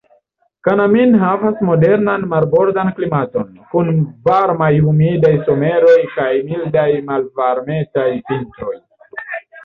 Kannami havas moderan marbordan klimaton, kun varmaj humidaj someroj kaj mildaj, malvarmetaj vintroj.